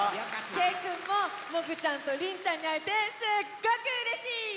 けいくんももぐちゃんとりんちゃんにあえてすっごくうれしい！